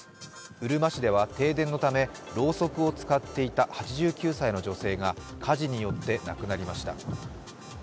うるま市では停電のためろうそくを使っていた８９歳の女性が火事によって亡くなりました。